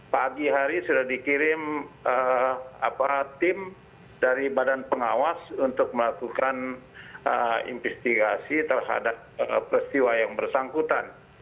pagi hari sudah dikirim tim dari badan pengawas untuk melakukan investigasi terhadap peristiwa yang bersangkutan